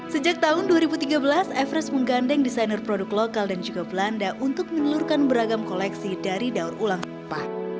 sejak tahun dua ribu tiga belas everest menggandeng desainer produk lokal dan juga belanda untuk menelurkan beragam koleksi dari daur ulang sampah